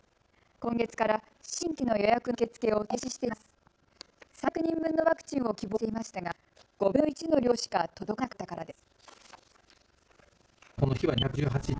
今月から新規の予約の受け付けを３００人分のワクチンを希望していましたが５分の１の量しか届かなかったからです。